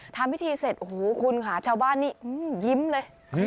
ทำพิธีเสร็จโอ้โหคุณค่ะชาวบ้านนี่ยิ้มเลย